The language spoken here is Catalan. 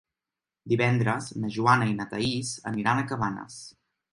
Divendres na Joana i na Thaís aniran a Cabanes.